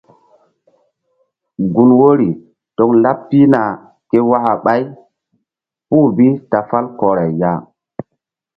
Gun wori toŋ laɓ pihna ké waka ɓày puh bi ta fàl kɔray ya.